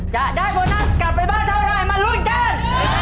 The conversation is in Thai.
จะได้โบนัสกลับไปบ้านเท่าไรมาลุ้นกัน